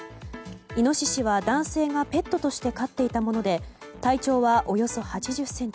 イノシシは男性がペットとして飼っていたもので体長はおよそ８０ｃｍ。